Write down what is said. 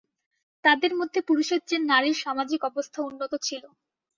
তাদের মধ্যে পুরুষের চেয়ে নারীর সামাজিক অবস্থা উন্নত ছিল।